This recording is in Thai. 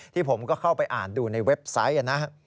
ที่ผมก็เข้าไปอ่านดูในเว็บไซต์